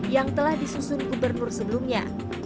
yang telah disusun gubernur sebelumnya